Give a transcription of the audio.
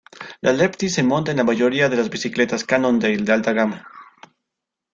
La Lefty se monta en la mayoría de las bicicletas Cannondale de alta gama.